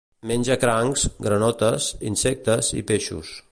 Menja crancs, granotes, insectes i peixos.